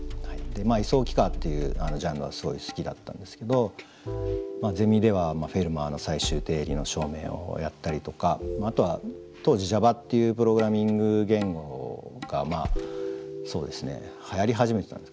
位相幾何っていうジャンルがすごい好きだったんですけどゼミでは「フェルマーの最終定理」の証明をやったりとかあとは当時Ｊａｖａっていうプログラミング言語がそうですねはやり始めてたんですかね。